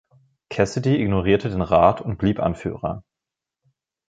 Cassidy ignorierte den Rat und blieb Anführer.